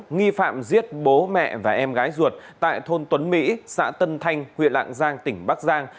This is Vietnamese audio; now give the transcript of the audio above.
nghi phạm giết bố mẹ và em gái ruột tại thôn tuấn mỹ xã tân thanh huyện lạng giang tỉnh bắc giang